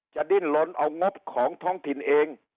ดิ้นลนเอางบของท้องถิ่นเอง